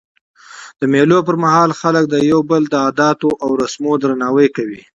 د مېلو پر مهال خلک د یو بل د عادتو او رسمو درناوی کوي.